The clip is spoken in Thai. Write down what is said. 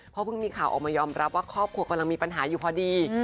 เพราะเพิ่งมีข่าวออกมายอมรับว่าครอบครัวกำลังมีปัญหาอยู่พอดี